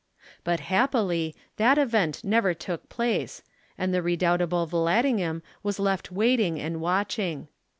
But happily, that event never took place, and the redoubtal)le Yallandigham was left waiting and watching.